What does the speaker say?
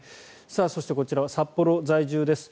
そして、こちらは札幌在住です。